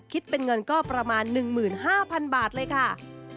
คิดเป็นเงินก็ประมาณ๑๕๐๐๐บาทเลยค่ะ